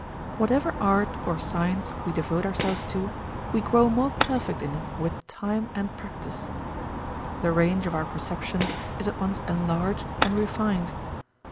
Whatever art or science we devote ourselves to, we grow more perfect in with time and practice. The range of our perceptions is at once enlarged and refined.